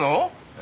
え？